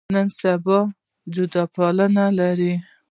نن سبا جدي پلویان لري.